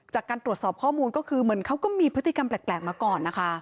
จากการตรวจสอบข้อมูลเหมือนก็มีพฤติกรรมแปลกมาก่อน